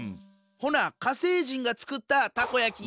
ほな火星人が作ったタコ焼き！